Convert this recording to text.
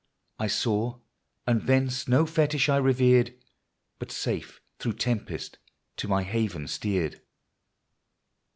I saw, and thence no fetich 1 revered, But safe, through tempest, to my haven steered.